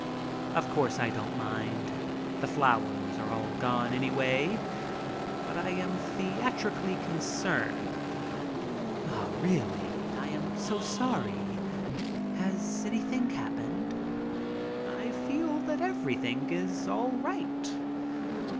Of course I don't mind; the flowers are all gone, anyway. But I am theatrically concerned. "Ah, really I am so sorry. Has anything happened?" I feel that everything is all right.